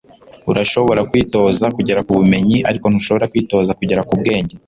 urashobora kwitoza kugera ku bumenyi, ariko ntushobora kwitoza kugera ku bwenge